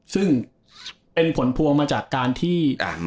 ซึ่งเป็นผลพวงมาจากการที่